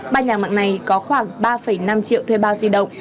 ba nhà mạng này có khoảng ba năm triệu thuê bao di động